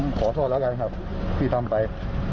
ผมขอโทษแล้วกันครับที่ทำไป